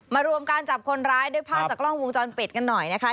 รวมการจับคนร้ายด้วยภาพจากกล้องวงจรปิดกันหน่อยนะคะ